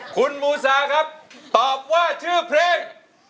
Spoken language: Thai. คุณมูซาครับตอบว่าชื่อเพลง